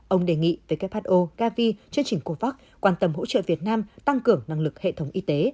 ông đề nghị who gavi chương trình covax quan tâm hỗ trợ việt nam tăng cường năng lực hệ thống y tế